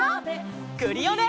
クリオネ！